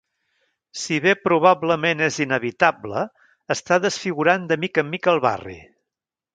Si bé probablement és inevitable, està desfigurant de mica en mica el barri.